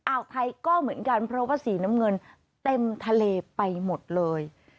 อ่าวไทยก็เหมือนกันเพราะว่าสีน้ำเงินเต็มทะเลไปหมดเลย